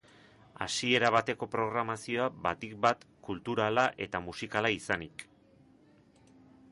Hasiera bateko programazioa batik bat kulturala eta musikala izanik.